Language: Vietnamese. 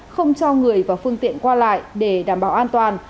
không cho người và phương tiện qua lại để đảm bảo an toàn